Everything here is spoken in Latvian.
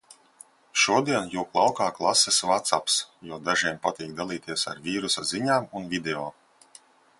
Šodien jūk laukā klases vacaps, jo dažiem patīk dalīties ar vīrusa ziņām un video.